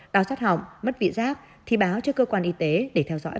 đau sát họng mất vị giác thì báo cho cơ quan y tế để theo dõi